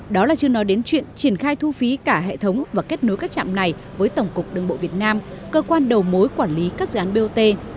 đó là chưa nói đến chuyện triển khai thu phí cả hệ thống và kết nối các trạm này với tổng cục đường bộ việt nam cơ quan đầu mối quản lý các dự án bot